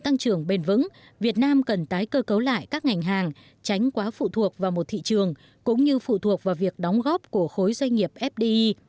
tăng trưởng bền vững việt nam cần tái cơ cấu lại các ngành hàng tránh quá phụ thuộc vào một thị trường cũng như phụ thuộc vào việc đóng góp của khối doanh nghiệp fdi